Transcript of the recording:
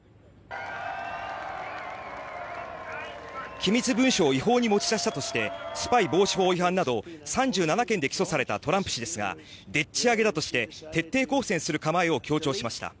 機密文書を違法に持ち出したとしてスパイ防止法違反など３７件で起訴されたトランプ氏ですがでっち上げだとして徹底抗戦する構えを強調しました。